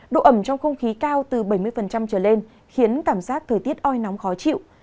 độ ẩm trong không khí cao từ bảy mươi trở lên khiến cảm giác thời tiết oi nóng khó chịu